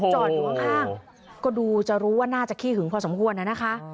จอดอยู่ข้างก็ดูจะรู้ว่าน่าจะขี้หึงพอสมควรนะคะ